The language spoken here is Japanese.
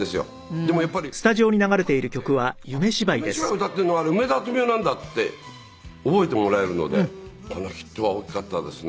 でもやっぱり歌ってあっ『夢芝居』を歌っているのあれ梅沢富美男なんだって覚えてもらえるのでこのヒットは大きかったですね。